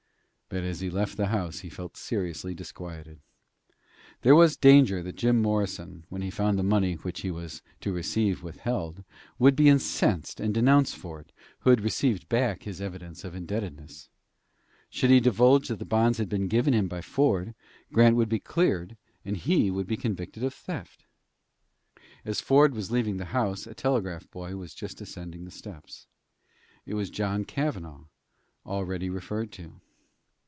But, as he left the house, he felt seriously disquieted. There was danger that Jim Morrison, when he found the money which he was to receive withheld, would be incensed and denounce Ford, who had received back his evidence of indebtedness. Should he divulge that the bonds had been given him by Ford, Grant would be cleared, and he would be convicted of theft. As Ford was leaving the house a telegraph boy was just ascending the steps. It was John Cavanagh, already referred to.